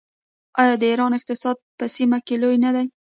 آیا د ایران اقتصاد په سیمه کې لوی نه دی؟